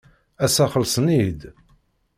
Ass-a xellsen-iyi-d.